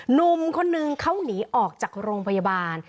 หนุ่มคนนึงเขาหนีออกจากโรงพยาบาล